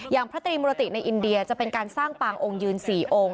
พระตรีมุรติในอินเดียจะเป็นการสร้างปางองค์ยืน๔องค์